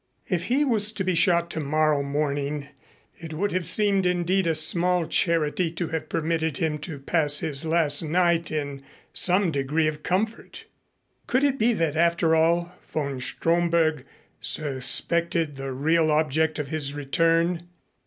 If he was to be shot tomorrow morning it would have seemed indeed a small charity to have permitted him to pass his last night in some degree of comfort. Could it be that, after all, von Stromberg suspected the real object of his return?